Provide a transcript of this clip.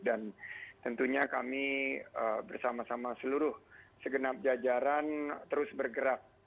dan tentunya kami bersama sama seluruh segenap jajaran terus bergerak